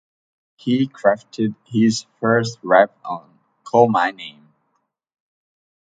He crafted his first rap on "Call My Name".